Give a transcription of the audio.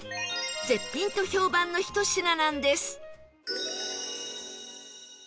絶品と評判のひと品なんです